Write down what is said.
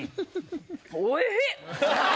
おいしい！